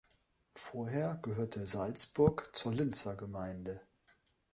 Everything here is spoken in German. Vorher gehörte Salzburg zur Linzer Gemeinde.